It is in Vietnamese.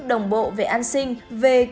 đồng bộ về an sinh về